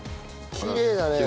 きれいだね。